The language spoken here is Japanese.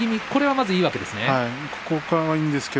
これはいいわけですよね。